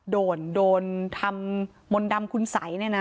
โดนโดนทำมนต์ดำคุณสัยเนี่ยนะ